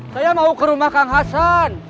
saya mau ke rumah kang hasan